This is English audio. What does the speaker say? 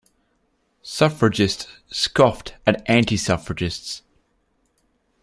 Suffragists scoffed at antisuffragists.